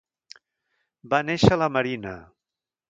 Va néixer a la Marina.